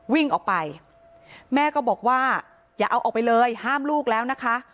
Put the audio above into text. วิ่งออกไปแม่ก็บอกว่าอย่าเอาออกไปเลยห้ามลูกแล้วนะคะ